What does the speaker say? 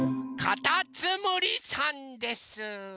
かたつむりさんです！